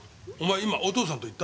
今「お父さん」と言った？